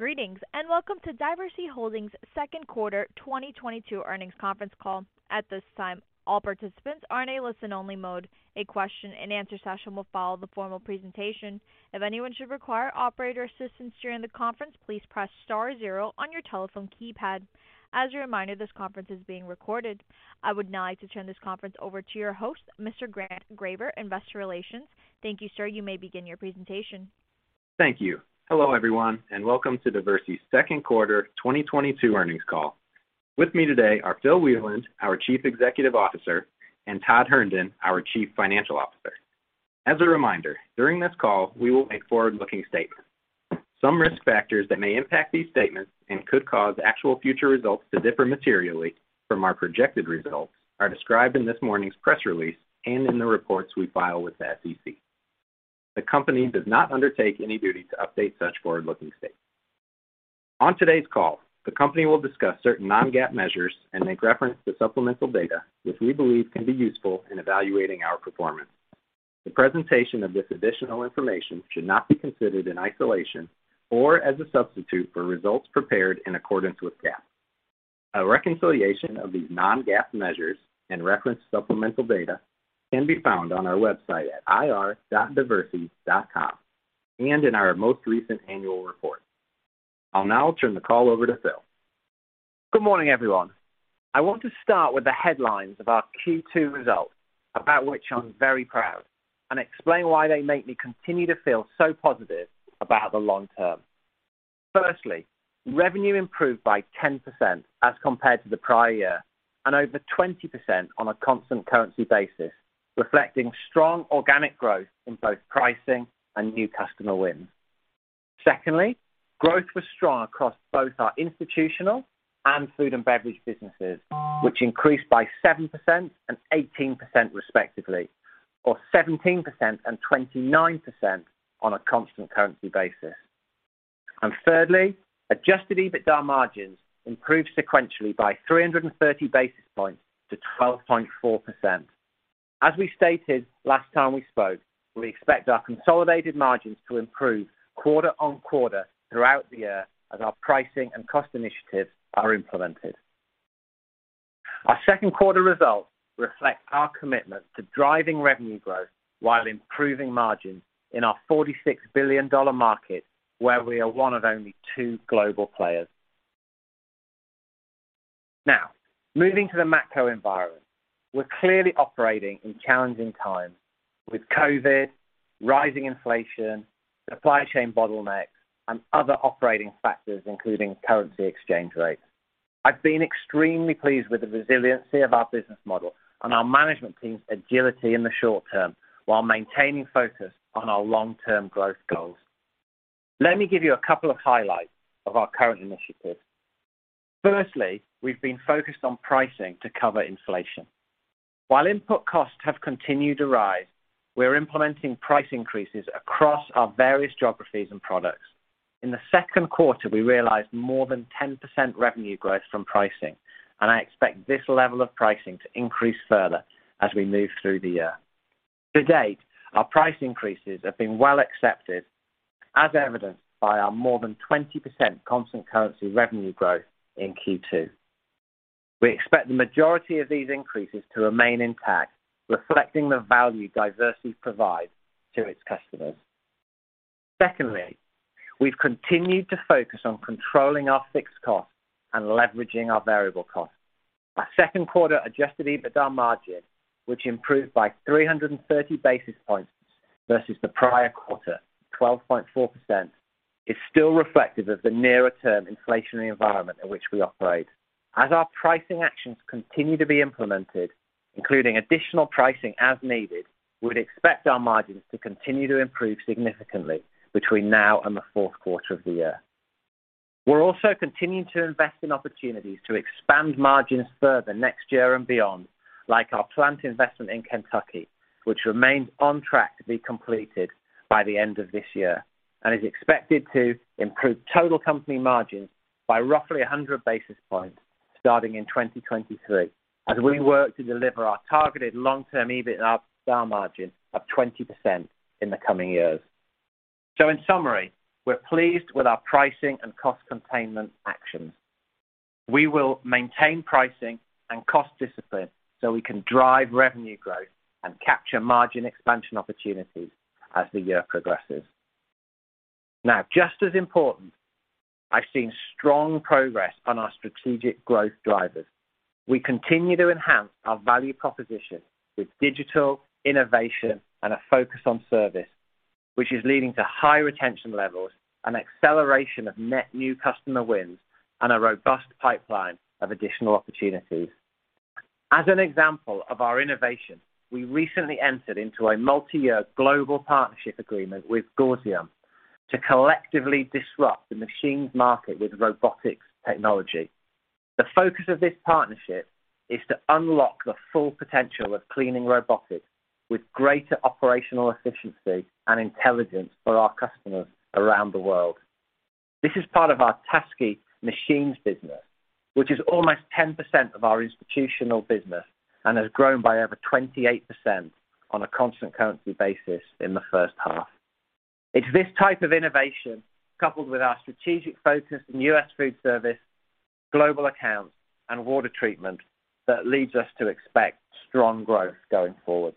Greetings, and welcome to Diversey Holdings' second quarter 2022 earnings conference call. At this time, all participants are in a listen-only mode. A question-and-answer session will follow the formal presentation. If anyone should require operator assistance during the conference, please press star zero on your telephone keypad. As a reminder, this conference is being recorded. I would now like to turn this conference over to your host, Mr. Grant Graber, Investor Relations. Thank you, sir. You may begin your presentation. Thank you. Hello, everyone, and welcome to Diversey's second quarter 2022 earnings call. With me today are Phil Wieland, our Chief Executive Officer, and Todd Herndon, our Chief Financial Officer. As a reminder, during this call, we will make forward-looking statements. Some risk factors that may impact these statements and could cause actual future results to differ materially from our projected results are described in this morning's press release and in the reports we file with the SEC. The Company does not undertake any duty to update such forward-looking statements. On today's call, the company will discuss certain non-GAAP measures and make reference to supplemental data, which we believe can be useful in evaluating our performance. The presentation of this additional information should not be considered in isolation or as a substitute for results prepared in accordance with GAAP. A reconciliation of these non-GAAP measures and referenced supplemental data can be found on our website at ir.diversey.com and in our most recent annual report. I'll now turn the call over to Phil. Good morning, everyone. I want to start with the headlines of our Q2 results, about which I'm very proud, and explain why they make me continue to feel so positive about the long term. Firstly, revenue improved by 10% as compared to the prior year and over 20% on a constant currency basis, reflecting strong organic growth in both pricing and new customer wins. Secondly, growth was strong across both our institutional and food and beverage businesses, which increased by 7% and 18% respectively, or 17% and 29% on a constant currency basis. Thirdly, adjusted EBITDA margins improved sequentially by 330 basis points to 12.4%. As we stated last time we spoke, we expect our consolidated margins to improve quarter-on-quarter throughout the year as our pricing and cost initiatives are implemented. Our second quarter results reflect our commitment to driving revenue growth while improving margins in our $46 billion market, where we are one of only two global players. Now, moving to the macro environment. We're clearly operating in challenging times with COVID, rising inflation, supply chain bottlenecks, and other operating factors, including currency exchange rates. I've been extremely pleased with the resiliency of our business model and our management team's agility in the short term while maintaining focus on our long-term growth goals. Let me give you a couple of highlights of our current initiatives. Firstly, we've been focused on pricing to cover inflation. While input costs have continued to rise, we're implementing price increases across our various geographies and products. In the second quarter, we realized more than 10% revenue growth from pricing, and I expect this level of pricing to increase further as we move through the year. To date, our price increases have been well accepted, as evidenced by our more than 20% constant currency revenue growth in Q2. We expect the majority of these increases to remain intact, reflecting the value Diversey provides to its customers. Secondly, we've continued to focus on controlling our fixed costs and leveraging our variable costs. Our second quarter adjusted EBITDA margin, which improved by 330 basis points versus the prior quarter, 12.4%, is still reflective of the nearer term inflationary environment in which we operate. As our pricing actions continue to be implemented, including additional pricing as needed, we'd expect our margins to continue to improve significantly between now and the fourth quarter of the year. We're also continuing to invest in opportunities to expand margins further next year and beyond, like our plant investment in Kentucky, which remains on track to be completed by the end of this year and is expected to improve total company margins by roughly 100 basis points starting in 2023 as we work to deliver our targeted long-term EBITDA margin of 20% in the coming years. In summary, we're pleased with our pricing and cost containment actions. We will maintain pricing and cost discipline so we can drive revenue growth and capture margin expansion opportunities as the year progresses. Now, just as important, I've seen strong progress on our strategic growth drivers. We continue to enhance our value proposition with digital innovation and a focus on service, which is leading to high retention levels and acceleration of net new customer wins and a robust pipeline of additional opportunities. As an example of our innovation, we recently entered into a multi-year global partnership agreement with Gausium to collectively disrupt the machines market with robotics technology. The focus of this partnership is to unlock the full potential of cleaning robotics with greater operational efficiency and intelligence for our customers around the world. This is part of our TASKI machines business, which is almost 10% of our institutional business and has grown by over 28% on a constant currency basis in the first half. It's this type of innovation, coupled with our strategic focus in U.S. food service, global accounts, and water treatment that leads us to expect strong growth going forward.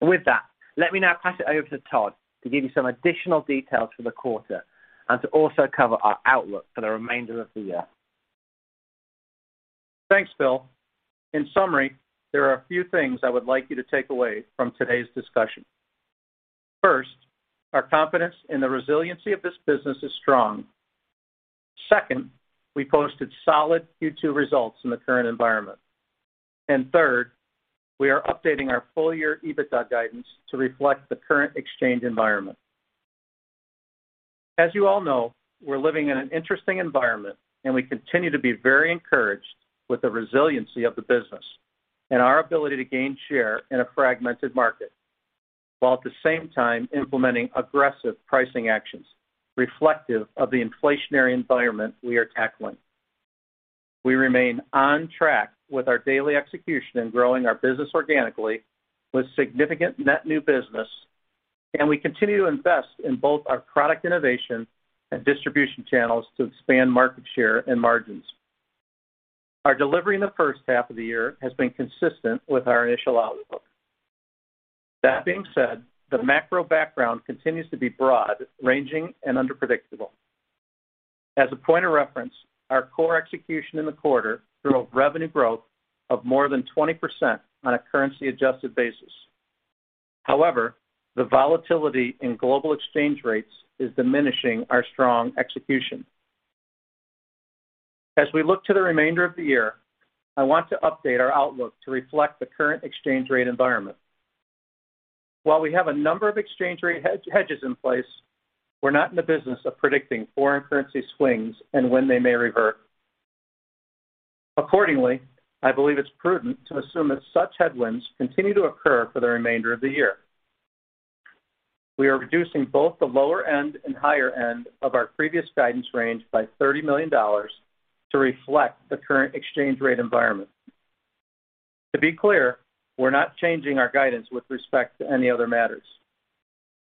With that, let me now pass it over to Todd to give you some additional details for the quarter and to also cover our outlook for the remainder of the year. Thanks, Phil. In summary, there are a few things I would like you to take away from today's discussion. First, our confidence in the resiliency of this business is strong. Second, we posted solid Q2 results in the current environment. Third, we are updating our full year EBITDA guidance to reflect the current exchange environment. As you all know, we're living in an interesting environment, and we continue to be very encouraged with the resiliency of the business and our ability to gain share in a fragmented market, while at the same time implementing aggressive pricing actions reflective of the inflationary environment we are tackling. We remain on track with our daily execution in growing our business organically with significant net new business, and we continue to invest in both our product innovation and distribution channels to expand market share and margins. Our delivery in the first half of the year has been consistent with our initial outlook. That being said, the macro background continues to be broad, ranging, and unpredictable. As a point of reference, our core execution in the quarter drove revenue growth of more than 20% on a currency adjusted basis. However, the volatility in global exchange rates is diminishing our strong execution. As we look to the remainder of the year, I want to update our outlook to reflect the current exchange rate environment. While we have a number of exchange rate hedges in place, we're not in the business of predicting foreign currency swings and when they may revert. Accordingly, I believe it's prudent to assume that such headwinds continue to occur for the remainder of the year. We are reducing both the lower end and higher end of our previous guidance range by $30 million to reflect the current exchange rate environment. To be clear, we're not changing our guidance with respect to any other matters.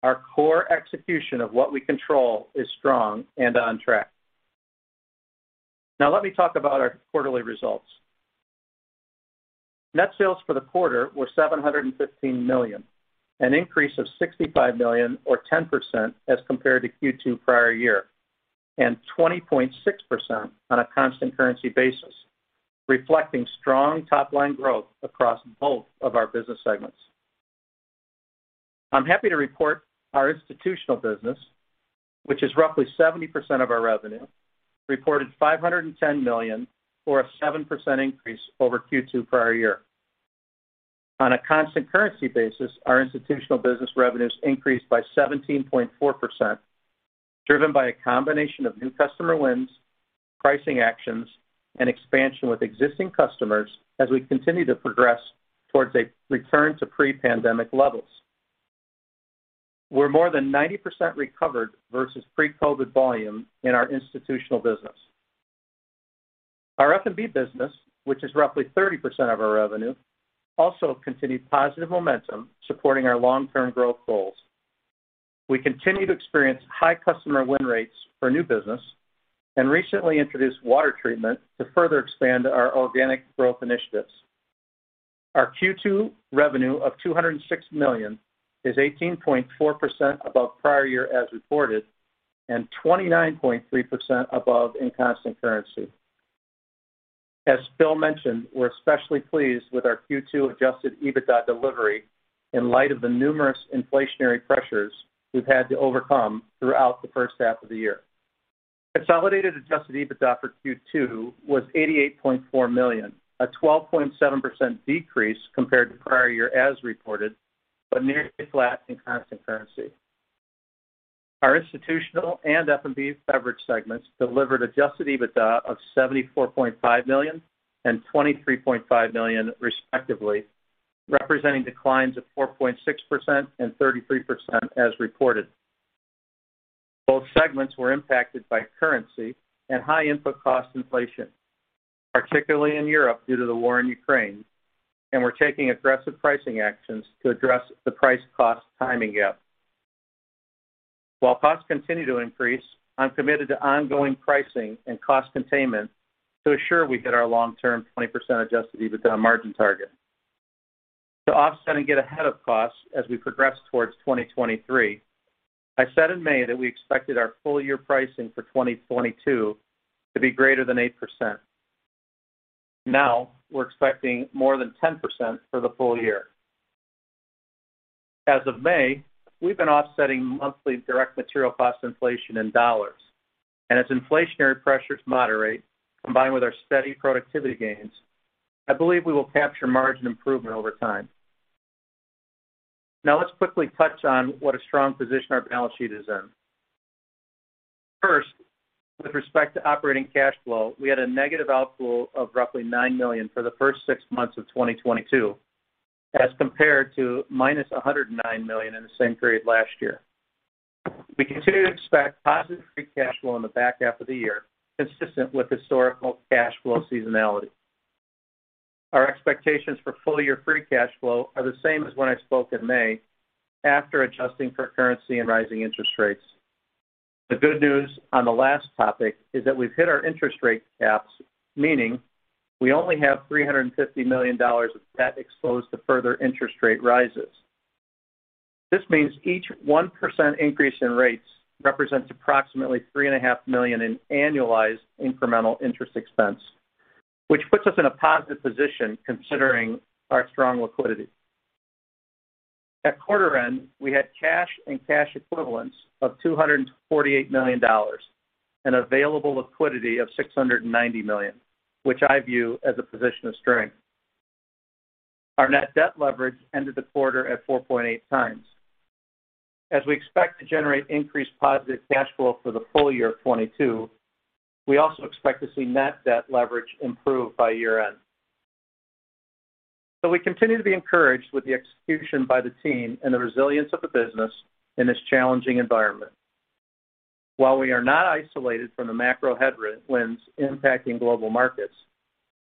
Our core execution of what we control is strong and on track. Now let me talk about our quarterly results. Net sales for the quarter were $715 million, an increase of $65 million or 10% as compared to Q2 prior year, and 20.6% on a constant currency basis, reflecting strong top-line growth across both of our business segments. I'm happy to report our institutional business, which is roughly 70% of our revenue, reported $510 million, or a 7% increase over Q2 prior year. On a constant currency basis, our institutional business revenues increased by 17.4%, driven by a combination of new customer wins, pricing actions, and expansion with existing customers as we continue to progress towards a return to pre-pandemic levels. We're more than 90% recovered versus pre-COVID volume in our institutional business. Our F&B business, which is roughly 30% of our revenue, also continued positive momentum supporting our long-term growth goals. We continue to experience high customer win rates for new business and recently introduced water treatment to further expand our organic growth initiatives. Our Q2 revenue of $206 million is 18.4% above prior year as reported, and 29.3% above in constant currency. As Phil mentioned, we're especially pleased with our Q2 adjusted EBITDA delivery in light of the numerous inflationary pressures we've had to overcome throughout the first half of the year. Consolidated adjusted EBITDA for Q2 was $88.4 million, a 12.7% decrease compared to prior year as reported, but nearly flat in constant currency. Our institutional and F&B beverage segments delivered adjusted EBITDA of $74.5 million and $23.5 million, respectively, representing declines of 4.6% and 33% as reported. Both segments were impacted by currency and high input cost inflation, particularly in Europe due to the war in Ukraine, and we're taking aggressive pricing actions to address the price cost timing gap. While costs continue to increase, I'm committed to ongoing pricing and cost containment to assure we hit our long-term 20% adjusted EBITDA margin target. To offset and get ahead of costs as we progress towards 2023, I said in May that we expected our full year pricing for 2022 to be greater than 8%. Now, we're expecting more than 10% for the full year. As of May, we've been offsetting monthly direct material cost inflation in dollars, and as inflationary pressures moderate, combined with our steady productivity gains, I believe we will capture margin improvement over time. Now let's quickly touch on what a strong position our balance sheet is in. First, with respect to operating cash flow, we had a negative outflow of roughly $9 million for the first six months of 2022, as compared to -$109 million in the same period last year. We continue to expect positive free cash flow in the back half of the year, consistent with historical cash flow seasonality. Our expectations for full year free cash flow are the same as when I spoke in May after adjusting for currency and rising interest rates. The good news on the last topic is that we've hit our interest rate caps, meaning we only have $350 million of debt exposed to further interest rate rises. This means each 1% increase in rates represents approximately $3.5 million in annualized incremental interest expense, which puts us in a positive position considering our strong liquidity. At quarter end, we had cash and cash equivalents of $248 million and available liquidity of $690 million, which I view as a position of strength. Our net debt leverage ended the quarter at 4.8x. As we expect to generate increased positive cash flow for the full year of 2022, we also expect to see Net Debt Leverage improve by year-end. We continue to be encouraged with the execution by the team and the resilience of the business in this challenging environment. While we are not isolated from the macro headwind impacting global markets,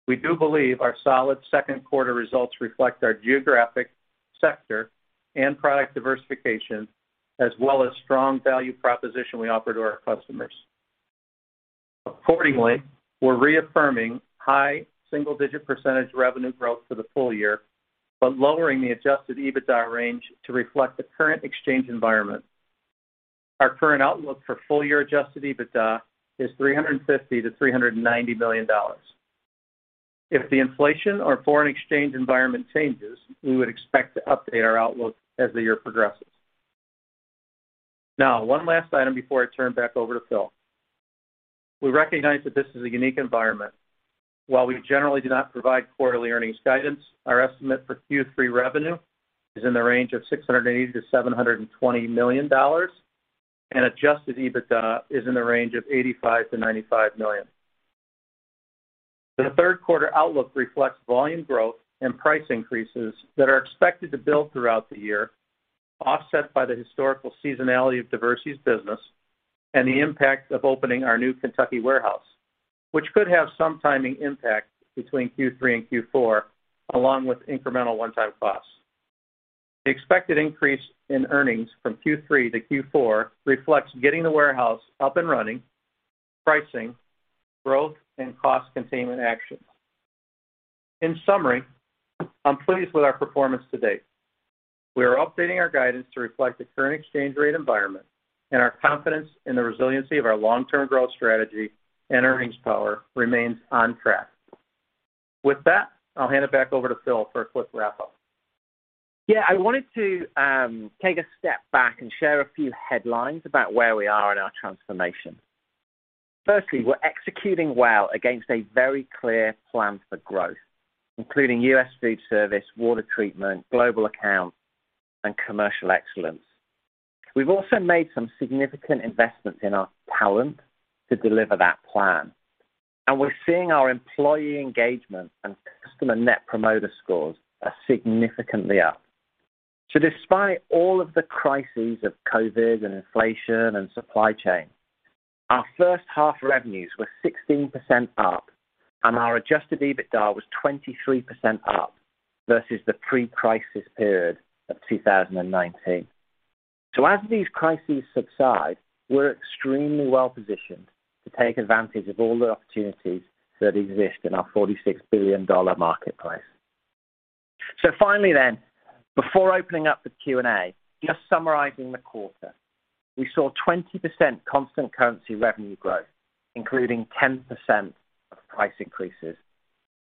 we do believe our solid second quarter results reflect our geographic sector and product diversification, as well as strong value proposition we offer to our customers. Accordingly, we're reaffirming high single-digit percentage revenue growth for the full year, but lowering the adjusted EBITDA range to reflect the current exchange environment. Our current outlook for full year adjusted EBITDA is $350 million-$390 million. If the inflation or foreign exchange environment changes, we would expect to update our outlook as the year progresses. Now, one last item before I turn back over to Phil. We recognize that this is a unique environment. While we generally do not provide quarterly earnings guidance, our estimate for Q3 revenue is in the range of $680 million-$720 million and adjusted EBITDA is in the range of $85 million-$95 million. The third quarter outlook reflects volume growth and price increases that are expected to build throughout the year, offset by the historical seasonality of Diversey's business and the impact of opening our new Kentucky warehouse, which could have some timing impact between Q3 and Q4, along with incremental one-time costs. The expected increase in earnings from Q3 to Q4 reflects getting the warehouse up and running, pricing, growth, and cost containment actions. In summary, I'm pleased with our performance to date. We are updating our guidance to reflect the current exchange rate environment and our confidence in the resiliency of our long-term growth strategy and earnings power remains on track. With that, I'll hand it back over to Phil for a quick wrap-up. Yeah, I wanted to take a step back and share a few headlines about where we are in our transformation. Firstly, we're executing well against a very clear plan for growth, including U.S. food service, water treatment, global accounts, and commercial excellence. We've also made some significant investments in our talent to deliver that plan, and we're seeing our employee engagement and customer Net Promoter Scores are significantly up. Despite all of the crises of COVID and inflation and supply chain, our first half revenues were 16% up, and our adjusted EBITDA was 23% up versus the pre-crisis period of 2019. As these crises subside, we're extremely well-positioned to take advantage of all the opportunities that exist in our $46 billion marketplace. Finally then, before opening up the Q&A, just summarizing the quarter. We saw 20% constant currency revenue growth, including 10% of price increases,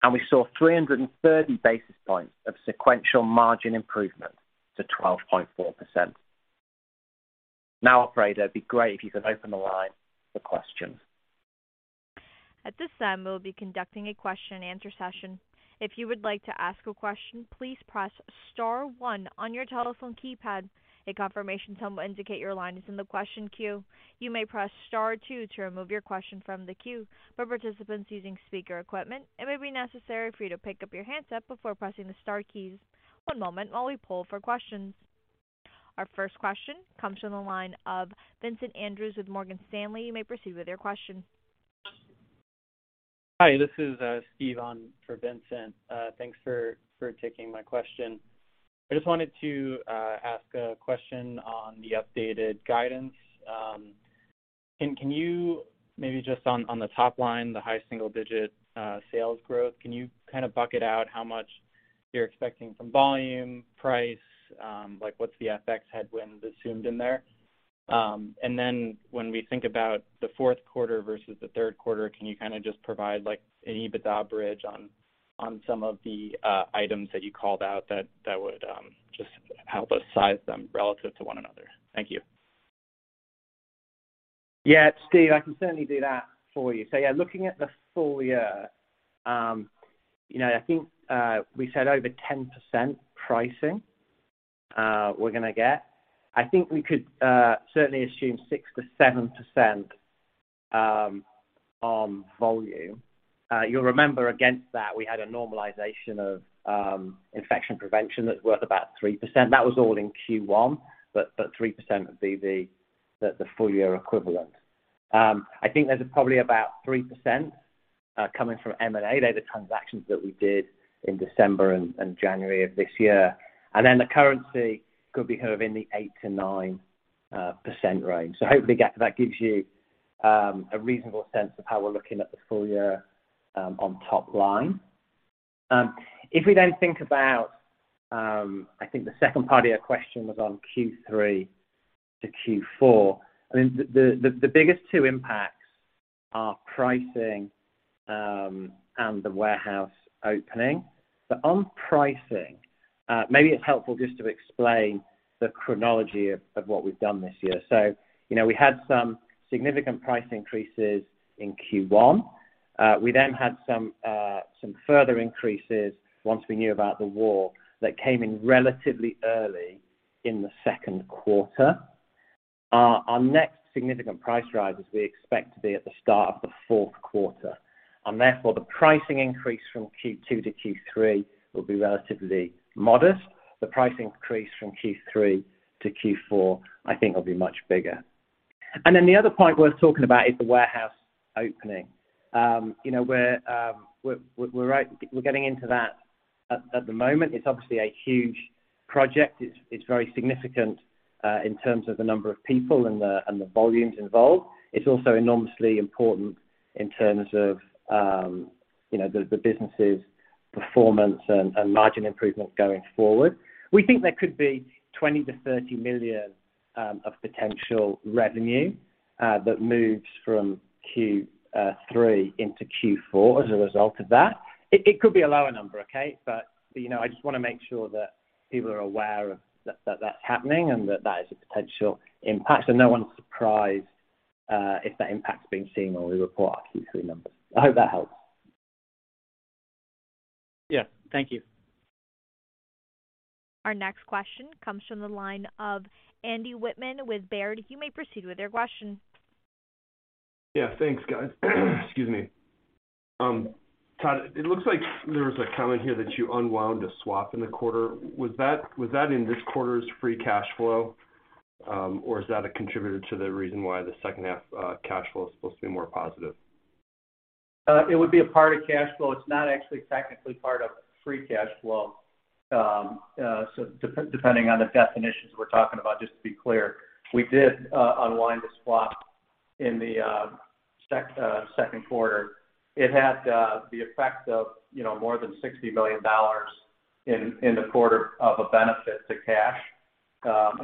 and we saw 330 basis points of sequential margin improvement to 12.4%. Now, operator, it'd be great if you could open the line for questions. At this time, we'll be conducting a question and answer session. If you would like to ask a question, please press star one on your telephone keypad. A confirmation tone will indicate your line is in the question queue. You may press star two to remove your question from the queue. For participants using speaker equipment, it may be necessary for you to pick up your handset before pressing the star keys. One moment while we pull for questions. Our first question comes from the line of Vincent Andrews with Morgan Stanley. You may proceed with your question. Hi, this is Steve on for Vincent. Thanks for taking my question. I just wanted to ask a question on the updated guidance. Can you maybe just on the top line, the high single digit sales growth, kind of bucket out how much you're expecting from volume, price? Like, what's the FX headwind assumed in there? Then when we think about the fourth quarter versus the third quarter, can you kinda just provide like an EBITDA bridge on some of the items that you called out that would just help us size them relative to one another? Thank you. Yeah, Steve, I can certainly do that for you. Yeah, looking at the full year, you know, I think we said over 10% pricing we're gonna get. I think we could certainly assume 6%-7% on volume. You'll remember against that, we had a normalization of infection prevention that's worth about 3%. That was all in Q1, but 3% would be the full year equivalent. I think there's probably about 3% coming from M&A. They're the transactions that we did in December and January of this year. Then the currency could be kind of in the 8%-9% range. Hopefully that gives you a reasonable sense of how we're looking at the full year on top line. If we then think about, I think the second part of your question was on Q3 to Q4. I mean, the biggest two impacts are pricing and the warehouse opening. On pricing, maybe it's helpful just to explain the chronology of what we've done this year. You know, we had some significant price increases in Q1. We then had some further increases once we knew about the war that came in relatively early in the second quarter. Our next significant price rise is we expect to be at the start of the fourth quarter. Therefore, the pricing increase from Q2 to Q3 will be relatively modest. The pricing increase from Q3 to Q4, I think will be much bigger. The other point worth talking about is the warehouse opening. You know, we're getting into that at the moment. It's obviously a huge project. It's very significant in terms of the number of people and the volumes involved. It's also enormously important in terms of you know, the business' performance and margin improvements going forward. We think there could be $20 million-$30 million of potential revenue that moves from Q3 into Q4 as a result of that. It could be a lower number, okay? You know, I just wanna make sure that people are aware of that's happening and that that is a potential impact, so no one's surprised if that impact's being seen when we report our Q3 numbers. I hope that helps. Yeah. Thank you. Our next question comes from the line of Andy Wittmann with Baird. You may proceed with your question. Yeah. Thanks, guys. Excuse me. Todd, it looks like there was a comment here that you unwound a swap in the quarter. Was that in this quarter's free cash flow? Or is that a contributor to the reason why the second half cash flow is supposed to be more positive? It would be a part of cash flow. It's not actually technically part of Free Cash Flow. Depending on the definitions we're talking about, just to be clear, we did unwind the swap in the second quarter. It had the effect of, you know, more than $60 million in the quarter of a benefit to cash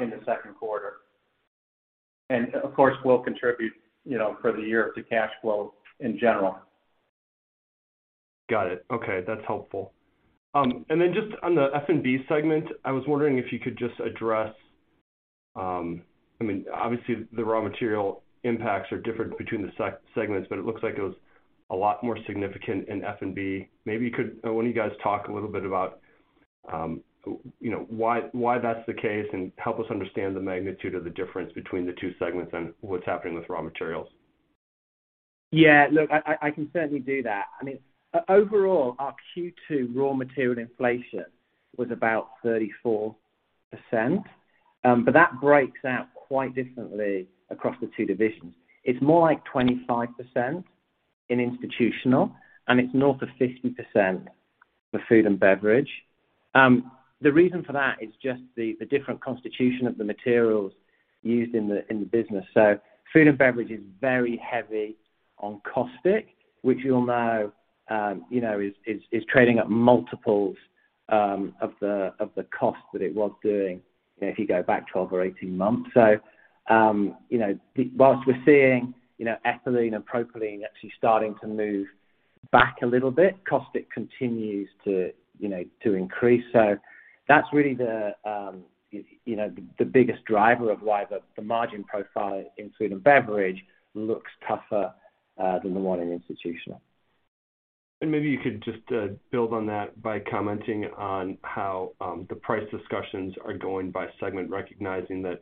in the second quarter. Of course, will contribute, you know, for the year to cash flow in general. Got it. Okay. That's helpful. Just on the F&B segment, I was wondering if you could just address, I mean, obviously the raw material impacts are different between the segments, but it looks like it was a lot more significant in F&B. Maybe one of you guys talk a little bit about, you know, why that's the case and help us understand the magnitude of the difference between the two segments and what's happening with raw materials. Yeah. Look, I can certainly do that. I mean, overall, our Q2 raw material inflation was about 34%, but that breaks out quite differently across the two divisions. It's more like 25% in institutional, and it's north of 50% for food and beverage. The reason for that is just the different constitution of the materials used in the business. Food and beverage is very heavy on caustic, which you'll know, you know, is trading at multiples of the cost that it was doing if you go back 12 or 18 months. You know, while we're seeing, you know, ethylene and propylene actually starting to move back a little bit, caustic continues to, you know, increase. That's really the you know the biggest driver of why the margin profile in food and beverage looks tougher than the one in institutional. Maybe you could just build on that by commenting on how the price discussions are going by segment, recognizing that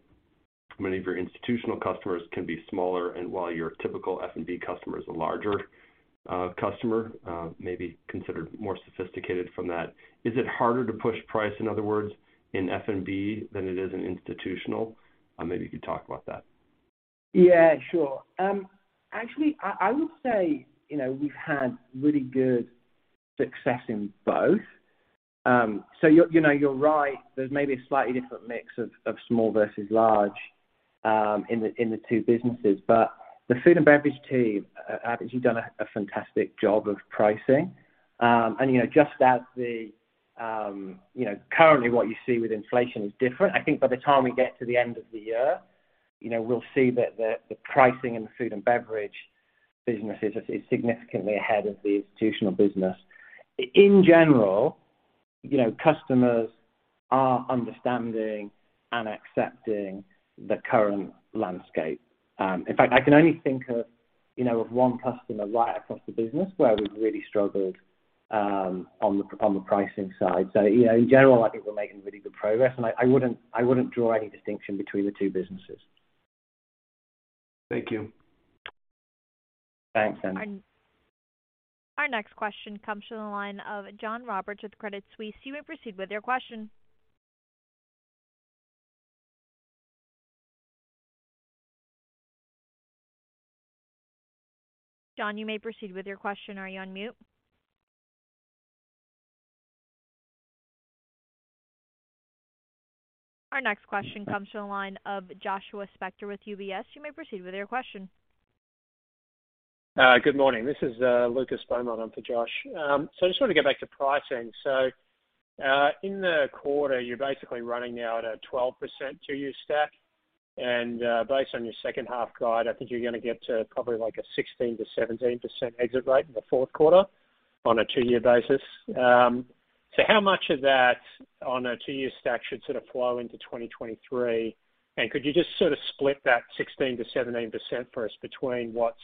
many of your institutional customers can be smaller, and while your typical F&B customer is a larger customer, maybe considered more sophisticated from that. Is it harder to push price, in other words, in F&B than it is in institutional? Maybe you could talk about that. Yeah, sure. Actually, I would say, you know, we've had really good success in both. You're, you know, you're right. There's maybe a slightly different mix of small versus large in the two businesses. But the food and beverage team has actually done a fantastic job of pricing. You know, just as the currently what you see with inflation is different. I think by the time we get to the end of the year, you know, we'll see that the pricing in the food and beverage business is significantly ahead of the institutional business. In general, you know, customers are understanding and accepting the current landscape. In fact, I can only think of one customer right across the business where we've really struggled on the pricing side. You know, in general, I think we're making really good progress, and I wouldn't draw any distinction between the two businesses. Thank you. Thanks, Andy. Our next question comes from the line of John Roberts with Credit Suisse. You may proceed with your question. John, you may proceed with your question. Are you on mute? Our next question comes from the line of Joshua Spector with UBS. You may proceed with your question. Good morning. This is Lucas Beaumont on for Josh. I just wanna get back to pricing. In the quarter, you're basically running now at a 12% two-year stack, and based on your second half guide, I think you're gonna get to probably like a 16%-17% exit rate in the fourth quarter on a two-year basis. How much of that on a two-year stack should sort of flow into 2023? And could you just sort of split that 16%-17% for us between what's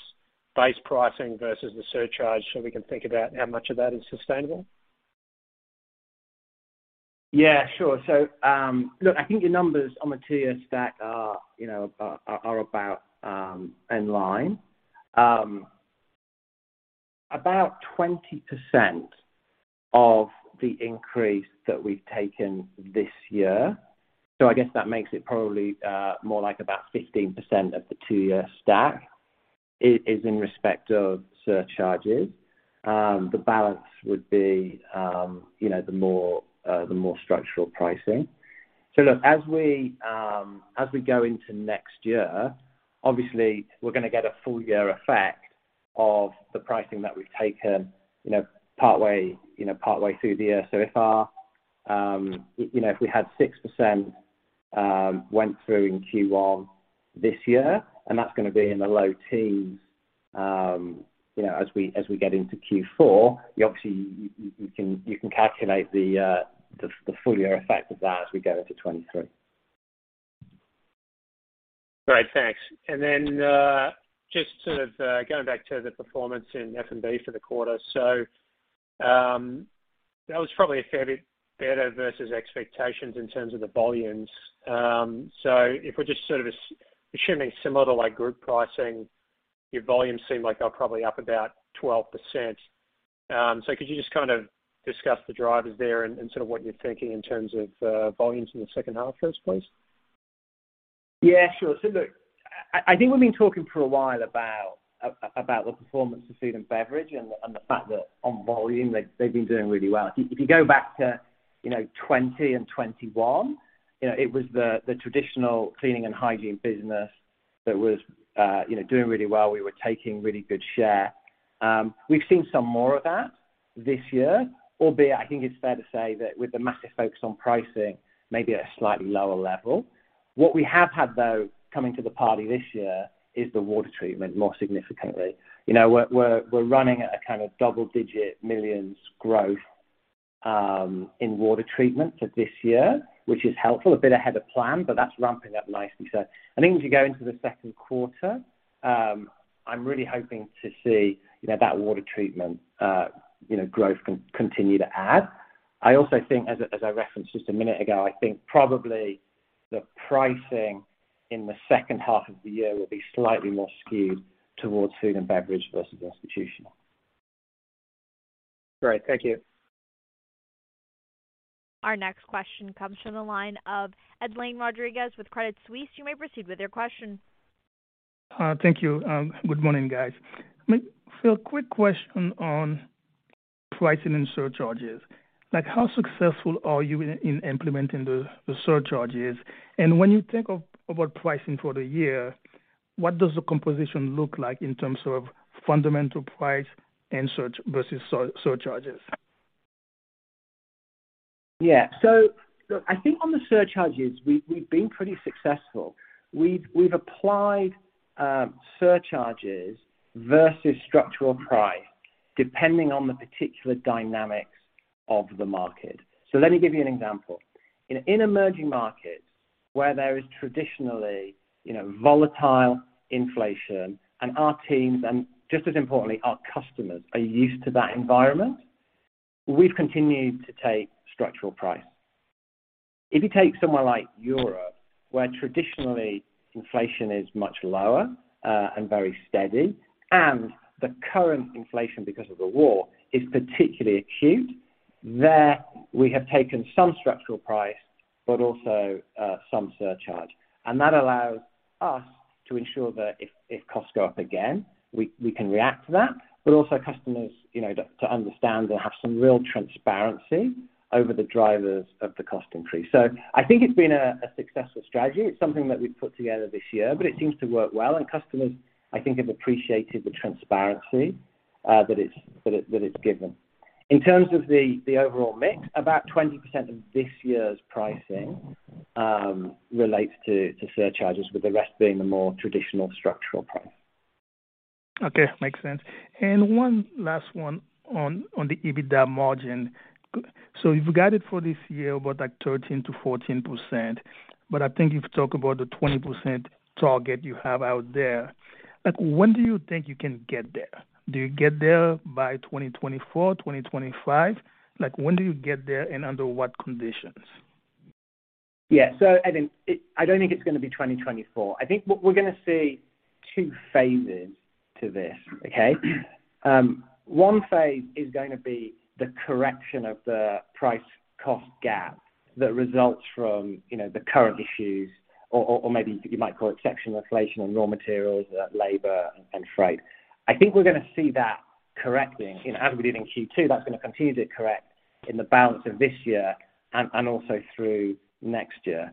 base pricing versus the surcharge so we can think about how much of that is sustainable? Yeah, sure. Look, I think your numbers on the two-year stack are, you know, about in line. About 20% of the increase that we've taken this year, so I guess that makes it probably more like about 15% of the two-year stack is in respect of surcharges. The balance would be, you know, the more structural pricing. Look, as we go into next year, obviously we're gonna get a full year effect of the pricing that we've taken, you know, partway through the year. you know, if we had 6% went through in Q1 this year, and that's gonna be in the low teens%, you know, as we get into Q4, you obviously can calculate the full year effect of that as we go into 2023. Great. Thanks. Then, just sort of going back to the performance in F&B for the quarter. That was probably a fair bit better versus expectations in terms of the volumes. If we're just sort of assuming similar to like group pricing, your volumes seem like they're probably up about 12%. Could you just kind of discuss the drivers there and sort of what you're thinking in terms of volumes in the second half for us, please? Yeah, sure. Look, I think we've been talking for a while about about the performance of food and beverage and the fact that on volume they've been doing really well. If you go back to, you know, 2020 and 2021, you know, it was the traditional cleaning and hygiene business that was, you know, doing really well. We were taking really good share. We've seen some more of that this year, albeit I think it's fair to say that with the massive focus on pricing, maybe at a slightly lower level. What we have had, though, coming to the party this year is the water treatment more significantly. You know, we're running at a kind of double digit millions growth in water treatment for this year, which is helpful, a bit ahead of plan, but that's ramping up nicely. I think as you go into the second quarter, I'm really hoping to see, you know, that water treatment, you know, growth continue to add. I also think as I referenced just a minute ago, I think probably the pricing in the second half of the year will be slightly more skewed towards food and beverage versus institutional. Great. Thank you. Our next question comes from the line of Edlain Rodriguez with Credit Suisse. You may proceed with your question. Thank you. Good morning, guys. Phil, quick question on pricing and surcharges. Like, how successful are you in implementing the surcharges? When you think about pricing for the year, what does the composition look like in terms of fundamental price and surcharge versus surcharges? Yeah. Look, I think on the surcharges, we've been pretty successful. We've applied surcharges versus structural price depending on the particular dynamics of the market. Let me give you an example. In emerging markets where there is traditionally, you know, volatile inflation and our teams and just as importantly, our customers are used to that environment, we've continued to take structural price. If you take somewhere like Europe, where traditionally inflation is much lower and very steady, and the current inflation because of the war is particularly acute, there we have taken some structural price, but also some surcharge. That allows us to ensure that if costs go up again, we can react to that. Also, customers, you know, to understand they'll have some real transparency over the drivers of the cost increase. I think it's been a successful strategy. It's something that we've put together this year, but it seems to work well. Customers, I think, have appreciated the transparency that it's given. In terms of the overall mix, about 20% of this year's pricing relates to surcharges, with the rest being the more traditional structural price. Okay. Makes sense. One last one on the EBITDA margin. So you've guided for this year about like 13%-14%, but I think you've talked about the 20% target you have out there. Like when do you think you can get there? Do you get there by 2024, 2025? Like when do you get there and under what conditions? Yeah. Edlain, I don't think it's going to be 2024. I think what we're going to see two phases to this, okay? One phase is going to be the correction of the price cost gap that results from, you know, the current issues or maybe you might call it secular inflation on raw materials, labor and freight. I think we're going to see that correcting, you know, as we did in Q2, that's going to continue to correct in the balance of this year and also through next year.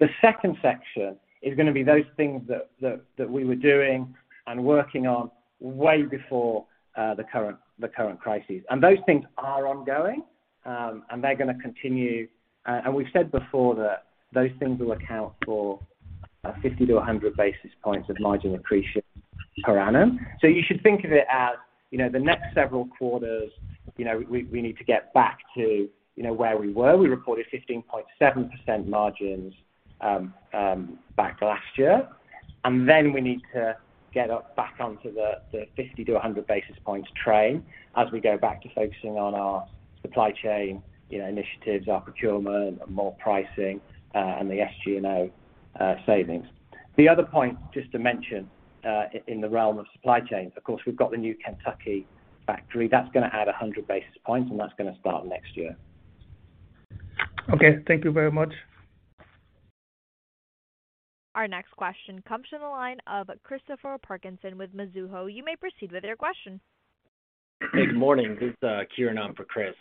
The second section is going to be those things that we were doing and working on way before the current crisis. Those things are ongoing, and they're going to continue. We've said before that those things will account for 50 to 100 basis points of margin accretion per annum. You should think of it as, you know, the next several quarters, you know, we need to get back to, you know, where we were. We reported 15.7% margins back last year. We need to get up back onto the 50 to 100 basis points train as we go back to focusing on our supply chain, you know, initiatives, our procurement, more pricing, and the SG&A savings. The other point just to mention, in the realm of supply chains, of course, we've got the new Kentucky factory. That's gonna add 100 basis points, and that's gonna start next year. Okay, thank you very much. Our next question comes from the line of Christopher Parkinson with Mizuho. You may proceed with your question. Good morning. This is Kieran on for Chris.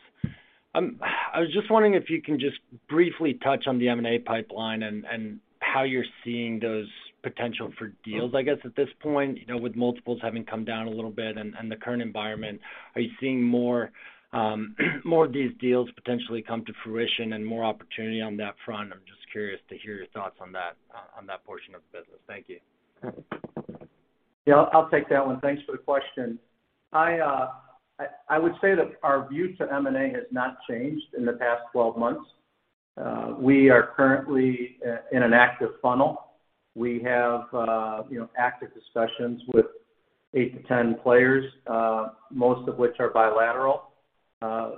I was just wondering if you can just briefly touch on the M&A pipeline and how you're seeing those potential for deals, I guess, at this point. You know, with multiples having come down a little bit and the current environment, are you seeing more of these deals potentially come to fruition and more opportunity on that front? I'm just curious to hear your thoughts on that portion of the business. Thank you. Yeah, I'll take that one. Thanks for the question. I would say that our view to M&A has not changed in the past 12 months. We are currently in an active funnel. We have, you know, active discussions with eight to 10 players, most of which are bilateral.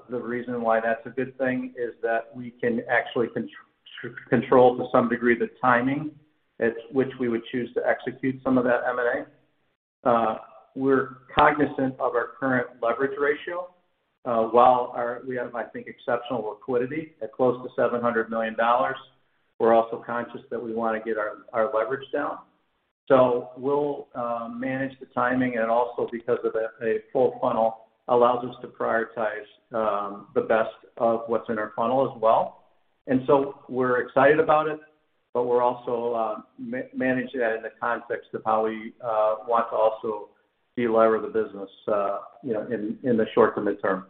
The reason why that's a good thing is that we can actually control to some degree the timing at which we would choose to execute some of that M&A. We're cognizant of our current leverage ratio. While we have, I think, exceptional liquidity at close to $700 million, we're also conscious that we wanna get our leverage down. We'll manage the timing and also because a full funnel allows us to prioritize the best of what's in our funnel as well. We're excited about it, but we're also managing that in the context of how we want to also delever the business, you know, in the short to mid-term.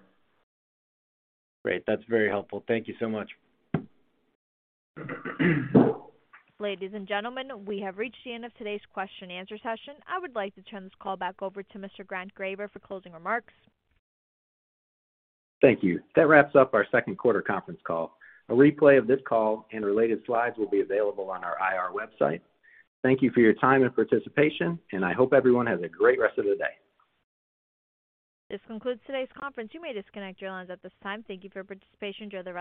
Great. That's very helpful. Thank you so much. Ladies and gentlemen, we have reached the end of today's question and answer session. I would like to turn this call back over to Mr. Grant Graber for closing remarks. Thank you. That wraps up our second quarter conference call. A replay of this call and related slides will be available on our IR website. Thank you for your time and participation, and I hope everyone has a great rest of the day. This concludes today's conference. You may disconnect your lines at this time. Thank you for participation, enjoy the rest of your day.